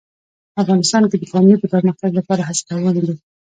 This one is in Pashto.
افغانستان کې د پامیر د پرمختګ لپاره هڅې روانې دي.